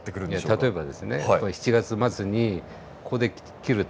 例えばですね７月末にここで切ると。